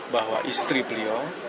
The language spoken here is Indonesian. bahwa istri beliau